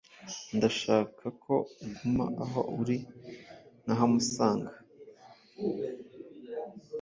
Ndashaka ko uguma aho uri nkahamusanga.